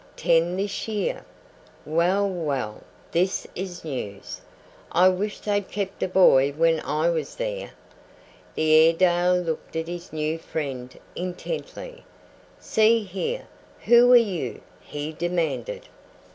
Ten this year." "Well, well, this is news! I wish they'd kept a boy when I was there." The Airedale looked at his new friend intently. "See here, who are you?" he demanded.